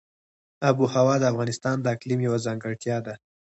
آب وهوا د افغانستان د اقلیم یوه ځانګړتیا ده.